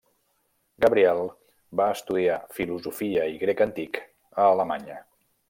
Gabriel va estudiar filosofia i grec antic a Alemanya.